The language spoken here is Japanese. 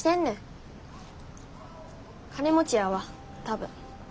金持ちやわ多分。